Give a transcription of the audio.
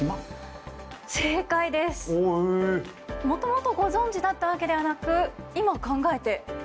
もともとご存じだったわけではなく今考えて？